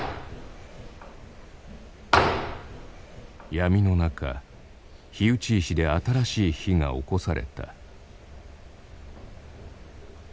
闇の中火打ち石で新しい火がおこされた。